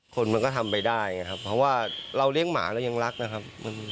คนมันก็ทำไปได้นะครับเพราะว่าเราเลี้ยงหมาเรายังรักนะครับ